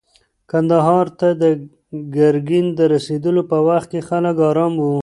کندهار ته د ګرګین د رسېدلو په وخت کې خلک ارام وو.